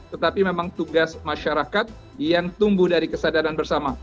tetapi memang tugas masyarakat yang tumbuh dari kesadaran bersama